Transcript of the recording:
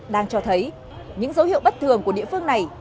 đang cho thấy những dấu hiệu bất thường của địa phương này